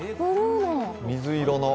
水色の。